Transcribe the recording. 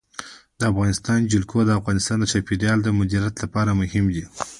د افغانستان جلکو د افغانستان د چاپیریال د مدیریت لپاره مهم دي.